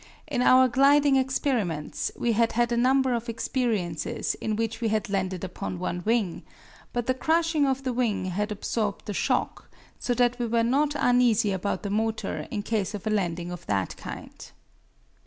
In our gliding experiments we had had a number of experiences in which we had landed upon one wing, but the crushing of the wing had absorbed the shock, so that we were not uneasy about the motor in case of a landing of that kind.